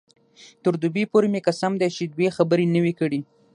تر دوبۍ پورې مې قسم دی چې دوې خبرې نه وې کړې.